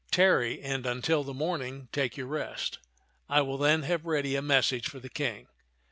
Tarry, and until the morning take your rest. I will then have ready a message for the King."